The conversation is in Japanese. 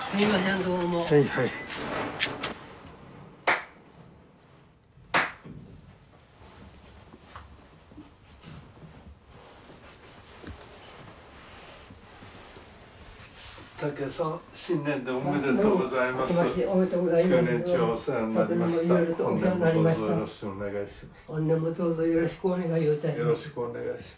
どうぞよろしくお願いをいたします。